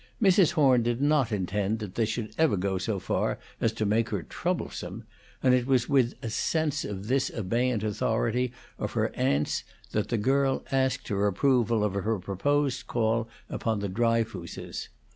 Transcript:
Mrs. Horn did not intend that they should ever go so far as to make her troublesome; and it was with a sense of this abeyant authority of her aunt's that the girl asked her approval of her proposed call upon the Dryfooses.